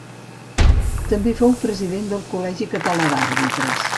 També fou president del Col·legi Català d'Àrbitres.